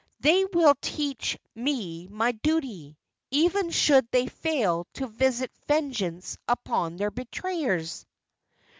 "They will teach me my duty, even should they fail to visit vengeance upon their betrayers!"